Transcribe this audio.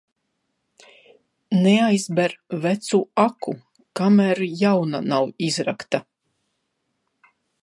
Neaizber vecu aku, kamēr jauna nav izrakta.